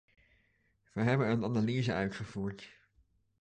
Wij hebben een analyse uitgevoerd.